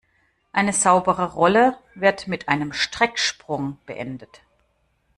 Eine saubere Rolle wird mit einem Strecksprung beendet.